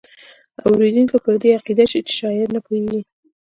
اوریدونکی پر دې عقیده شي چې شاعر نه پوهیږي.